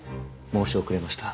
申し遅れました。